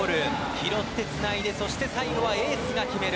拾って、つないでそして最後はエースが決める。